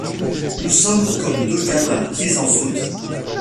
Nous sommes comme deux gamins prises en faute.